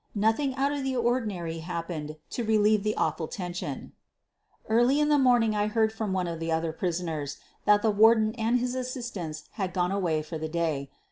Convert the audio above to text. Nothing out of the ordinary happened to relieve the awful tension. Early in the morning I heard from one of the other prisoners that the Warden and his assistants had gone away for the day.